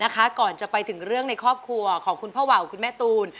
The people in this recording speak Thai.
ก่อนจะไปถึงเรื่องในครอบครัวของคุณพ่อวาวคุณแม่ตูน